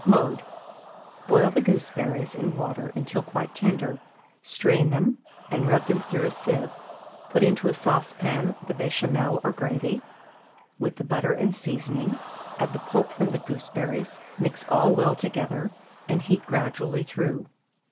Mode. Boil the gooseberries in water until quite tender; strain them, and rub them through a sieve. Put into a saucepan the Béchamel or gravy, with the butter and seasoning; add the pulp from the gooseberries, mix all well together, and heat gradually through.